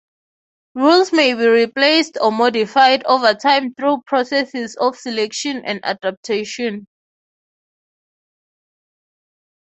Rules may be replaced or modified over time through processes of selection and adaptation.